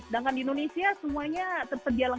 kita harus memasak sendiri